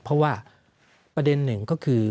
เพราะว่าประเด็นหนึ่งก็คือ